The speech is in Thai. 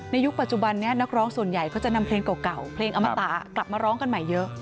ยุคปัจจุบันนี้นักร้องส่วนใหญ่เขาจะนำเพลงเก่าเพลงอมตะกลับมาร้องกันใหม่เยอะ